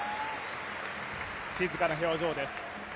静かな表情です。